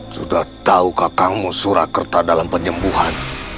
sudah tahu kakakmu surakerta dalam penyembuhan